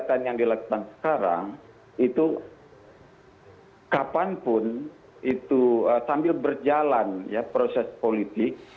kegiatan yang dilakukan sekarang itu kapanpun itu sambil berjalan ya proses politik